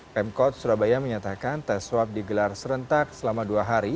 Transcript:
pemkot surabaya menyatakan tes swab digelar serentak selama dua hari